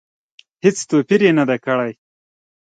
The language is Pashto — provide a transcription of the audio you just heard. هېڅ توپیر یې نه دی کړی.